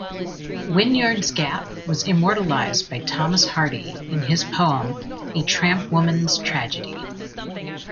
Winyards Gap was immortalised by Thomas Hardy in his poem A Trampwoman's Tragedy.